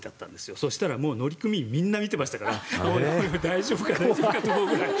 そしたら、乗組員全員見ていましたから大丈夫かなと思うぐらい。